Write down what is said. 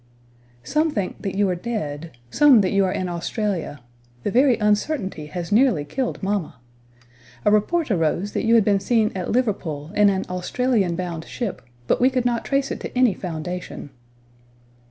"Some think that you are dead; some that you are in Australia; the very uncertainty has nearly killed mamma. A report arose that you had been seen at Liverpool, in an Australian bound ship, but we could not trace it to any foundation."